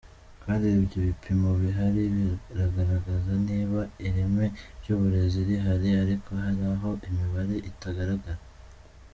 Twarebye ibipimo bihari bigaragaza niba ireme ry’uburezi rihari ariko hari aho imibare itagaragara.